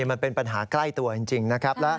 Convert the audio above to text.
มันเป็นปัญหาใกล้ตัวจริงนะครับ